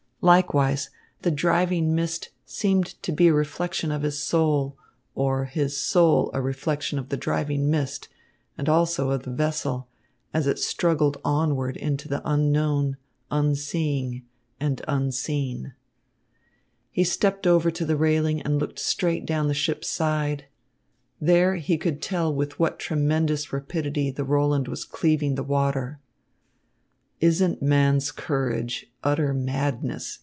Likewise, the driving mist seemed to be a reflection of his soul; or his soul a reflection of the driving mist and also of the vessel, as it struggled onward into the unknown, unseeing and unseen. He stepped over to the railing and looked straight down the ship's side. There he could tell with what tremendous rapidity the Roland was cleaving the water. "Isn't man's courage utter madness?"